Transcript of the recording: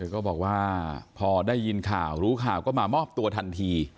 ก็บอกว่าพอได้ยินข่าวรู้ข่าวก็มามอบตัวทันที